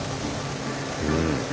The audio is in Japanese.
うん。